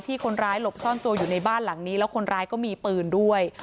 คนร้ายหลบซ่อนตัวอยู่ในบ้านหลังนี้แล้วคนร้ายก็มีปืนด้วย